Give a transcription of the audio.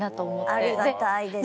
ありがたいですね。